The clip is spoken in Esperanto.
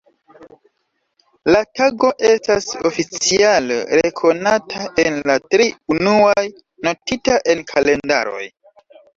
La tago estas oficiale rekonata en la tri unuaj, notita en kalendaroj.